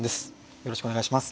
よろしくお願いします。